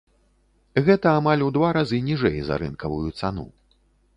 Гэта амаль у два разы ніжэй за рынкавую цану.